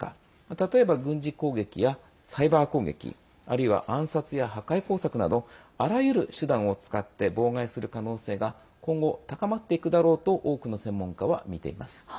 例えば軍事攻撃やサイバー攻撃あるいは暗殺や破壊工作などあらゆる手段を使って妨害する可能性が今後、高まっていくだろうと多くの専門家はみています。